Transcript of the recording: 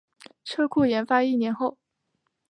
车库研发一年后